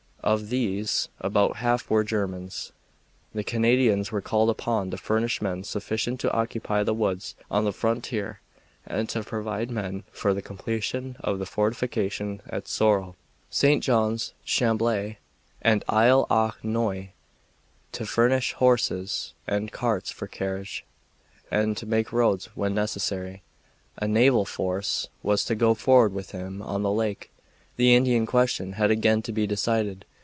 Of these about half were Germans. The Canadians were called upon to furnish men sufficient to occupy the woods on the frontier and to provide men for the completion of the fortifications at Sorrel, St. John's, Chamblée, and Isle aux Noix, to furnish horses and carts for carriage, and to make roads when necessary. A naval force was to go forward with him on the lake. The Indian question had again to be decided.